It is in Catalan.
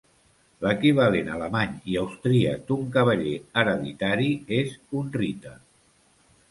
L'equivalent alemany i austríac d'un cavaller hereditari és un "Ritter".